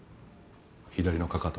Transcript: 左のかかと。